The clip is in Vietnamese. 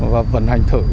và vận hành thử